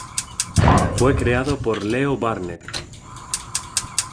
Fue creado por Leo Burnett.